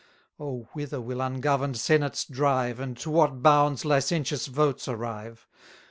760 Oh! whither will ungovern'd senates drive, And to what bounds licentious votes arrive?